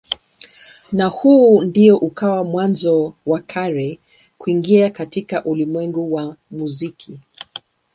Na huu ndio ukawa mwanzo wa Carey kuingia katika ulimwengu wa muziki.